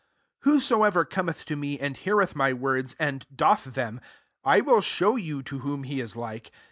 47 " Whosoever cometh to me, and heareth my words, and doth them, I will show you to whom he is like.